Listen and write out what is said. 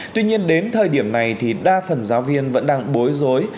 tuy nhiên đến thời điểm này thì đa phần giáo viên vẫn đang bối rối